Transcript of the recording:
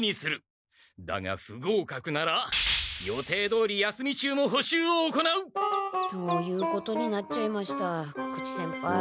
だがふごうかくなら予定どおり休み中も補習を行う！ということになっちゃいました久々知先輩。